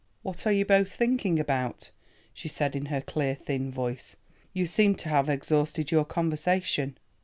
"What are you both thinking about?" she said in her clear thin voice; "you seem to have exhausted your conversation."